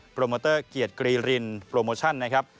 โมเตอร์เกียรติกรีรินโปรโมชั่นนะครับ